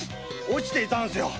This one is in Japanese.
落ちていたんです。